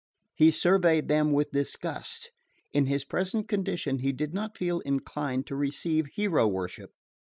Joe surveyed them with disgust. In his present condition he did not feel inclined to receive hero worship.